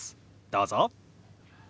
どうぞ。